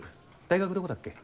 大学どこだっけ？